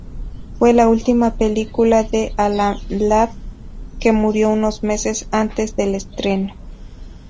Fue la última película de Alan Ladd, que murió unos meses antes del estreno.